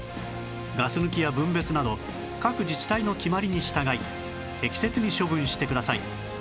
ガス抜きや分別など各自治体の決まりに従い適切に処分してください